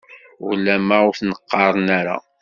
Ulamma ur ten-qqaren ara.